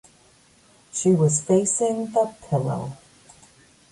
She was facing the pillow.